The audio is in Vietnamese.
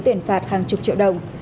tiền phạt hàng chục triệu đồng